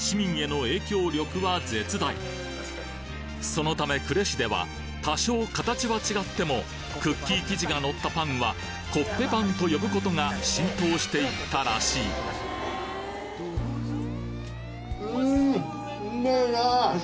そのため呉市では多少形は違ってもクッキー生地がのったパンはコッペパンと呼ぶことが浸透していったらしいうんうめなあ。